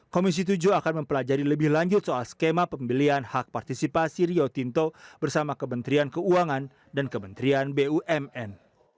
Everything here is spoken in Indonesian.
komisi tujuh akan mempelajari lebih lanjut soal skema pembelian hak partisipasi rio tinto bersama kementerian keuangan dan kementerian bumn